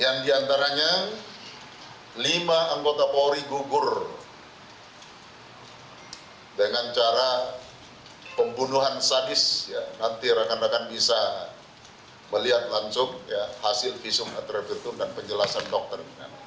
nanti rekan rekan bisa melihat langsung hasil visum atrebitum dan penjelasan dokter